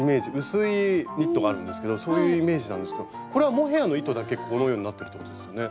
薄いニットがあるんですけどそういうイメージなんですけどこれはモヘヤの糸だけこのようになってるってことですよね？